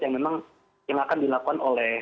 yang memang yang akan dilakukan oleh